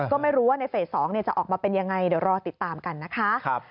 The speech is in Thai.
ก็ไม่รู้ว่าในเฟส๒จะออกมาเป็นยังไงเดี๋ยวรอติดตามกันนะคะ